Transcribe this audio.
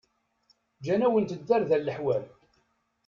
Gǧan-awent-d tarda leḥwal.